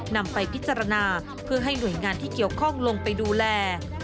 นำไปพิจารณาเพื่อให้หน่วยงานที่เกี่ยวข้องลงไปดูแล